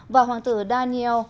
và hoàng tử daniel